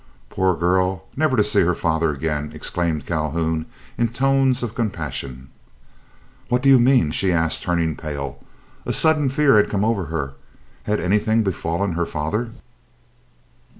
"Poor girl, never to see her father again," exclaimed Calhoun, in tones of compassion. "What do you mean?" she asked, turning pale. A sudden fear had come over her; had anything befallen her father?